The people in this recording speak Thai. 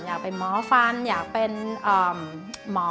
อยากเป็นหมอฟันอยากเป็นหมอ